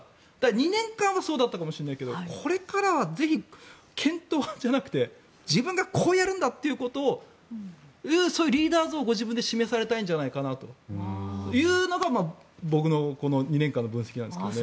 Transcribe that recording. ２年間はそうだったかもしれないけどこれからはぜひ検討じゃなくて自分がこうやるんだということをそういうリーダー像をご自分で示されたいんじゃないかなというのが僕の２年間の分析なんですけどね。